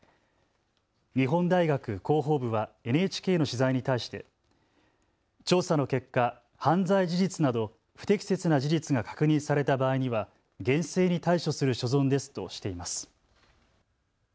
日本大学広報部はＮＨＫの取材に対して調査の結果、犯罪事実など不適切な事実が確認された場合には厳正に対処する所存ですとしています。